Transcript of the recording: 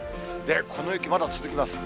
この雪、まだ続きます。